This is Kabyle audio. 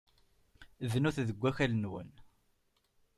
Bnut deg wakal-nwen.